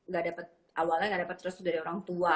gak dapet awalnya gak dapet terus dari orang tua